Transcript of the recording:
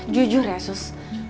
jujur ya sus